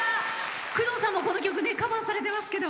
工藤さんもこの曲カバーされてますけど。